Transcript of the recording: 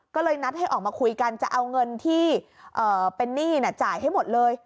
ก็เลยนัดให้ออกมาคุยกันจะเอาเงินที่เป็นหนี้จ่ายให้หมดเลย